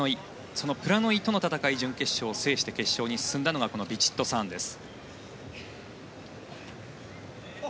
そのプラノイとの戦い準決勝を制して決勝に進んだのがこのヴィチットサーンです。